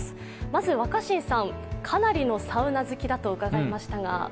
まず若新さん、かなりのサウナ好きだと伺いましたが。